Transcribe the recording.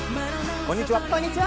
こんにちは。